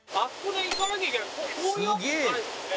こういうわけにいかないですよね。